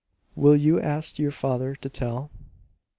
"Will you ask your father to tell?"